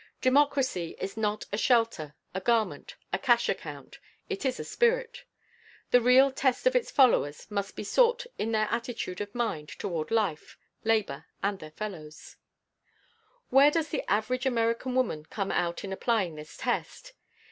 Democracy is not a shelter, a garment, a cash account; it is a spirit. The real test of its followers must be sought in their attitude of mind toward life, labor, and their fellows. Where does the average American woman come out in applying this test?